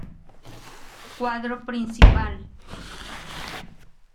Cuadro principal